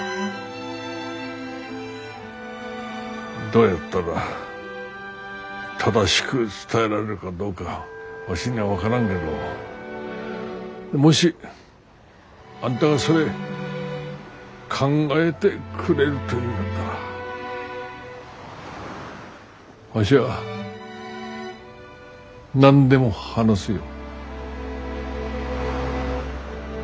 どうやったら正しく伝えられるかどうかわしには分からんけどもしあんたがそれ考えてくれるというんだったらわしは何でも話すよ。